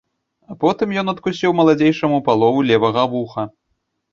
А потым ён адкусіў маладзейшаму палову левага вуха.